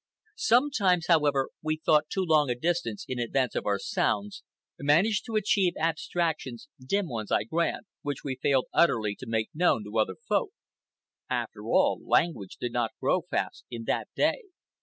Sometimes, however, we thought too long a distance in advance of our sounds, managed to achieve abstractions (dim ones I grant), which we failed utterly to make known to other folk. After all, language did not grow fast in that day.